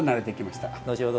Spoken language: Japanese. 後ほど